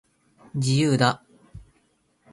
自由だ